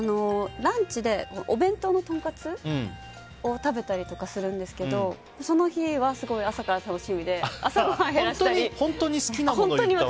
ランチでお弁当のとんかつを食べたりするんですけどその日は朝から楽しみで朝ごはんを減らしたり。